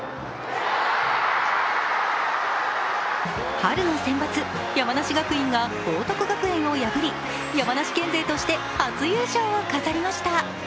春のセンバツ、山梨学院が報徳学園を破り山梨県勢として初優勝を飾りました。